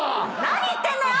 何言ってんのよ！